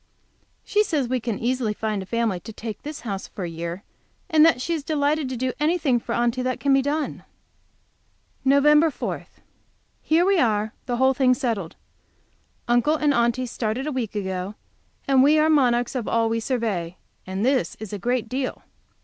She says we can easily find a family to take this house for a year, and that she is delighted to do anything for Aunty that can be done. Nov. 4. Here we are, the whole thing settled. Uncle and Aunty started a week ago, and we are monarchs of all we survey, and this is a great deal.